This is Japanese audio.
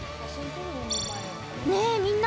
ねえ、みんな。